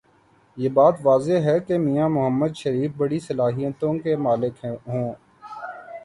یہ بات واضح ہے کہ میاں محمد شریف بڑی صلاحیتوں کے مالک ہوں۔